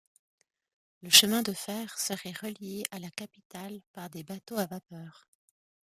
Le chemin de fer serait relié à la capitale par des bateaux à vapeur.